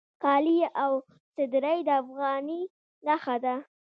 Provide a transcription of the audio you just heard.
کالي او صدرۍ د افغاني نښه ده